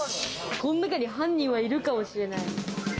こん中に犯人はいるかもしれない。